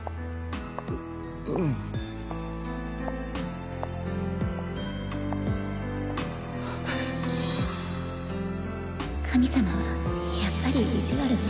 ううんはっ神様はやっぱり意地悪ね